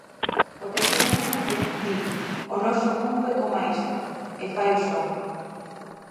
Potencialmente di "o noso mundo é coma isto" e fai o son.